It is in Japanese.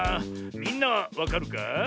みんなはわかるか？